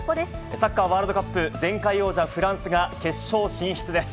サッカーワールドカップ、前回王者フランスが、決勝進出です。